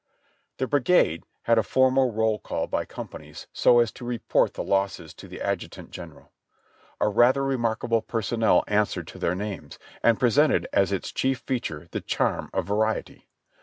The brigade had a formal roll call by companies so as to re port the losses to the Adjutant General. A rather remarkable personnel answered to their names, and presented as its chief feature the charm of variety.